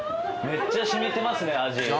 めっちゃ染みてますね味。